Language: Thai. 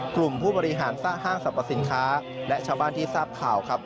กลุ่มผู้บริหารสร้างห้างสรรพสินค้าและชาวบ้านที่ทราบข่าวครับ